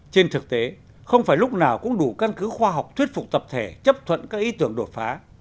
trên thực tế không phải lúc nào cũng đủ căn cứ khoa học thuyết phục tập thể chấp thuận các ý tưởng đột phá